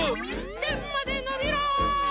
てんまでのびろ！